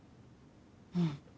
うん。